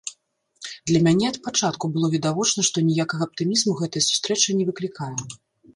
Для мяне ад пачатку было відавочна, што ніякага аптымізму гэтая сустрэча не выклікае.